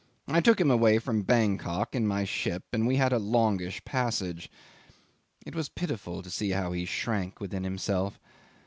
I took him away from Bankok in my ship, and we had a longish passage. It was pitiful to see how he shrank within himself.